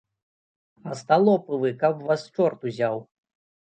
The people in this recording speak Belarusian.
Асталопы вы, каб вас чорт узяў!